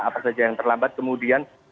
apa saja yang terlambat kemudian